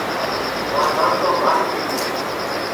رادھان تو بھانگ پی لی